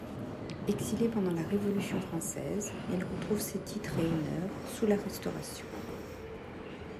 Exilé pendant la Révolution française, il retrouve ses titres et honneurs sous la Restauration.